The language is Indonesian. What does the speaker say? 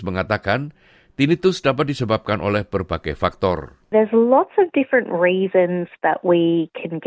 penanganan tinnitus bukanlah solusi yang bisa diterapkan